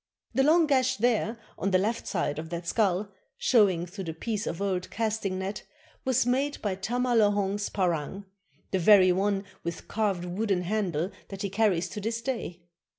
The long gash there, on the left side of that skull, showing through the piece of old casting net, was made by Tama Lohong's parang, the very one with carved wooden handle that he carries to this day.